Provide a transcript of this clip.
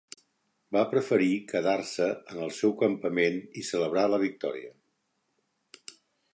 Va preferir quedar-se en el seu campament i celebrar la victòria.